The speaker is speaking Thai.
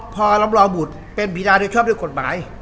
พอพอลำรอบุตรเป็นบริดาโดยชอบได้กฎหมาย